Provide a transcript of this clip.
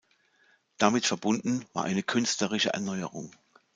Damit verbunden war eine künstlerische Erneuerung.